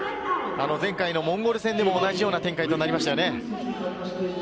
前回のモンゴル戦でも同じような展開となりましたよね。